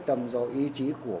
ào xe c